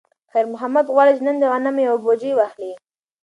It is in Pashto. خیر محمد غواړي چې نن د غنمو یوه بوجۍ واخلي.